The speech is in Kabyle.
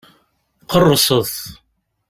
Qerrset!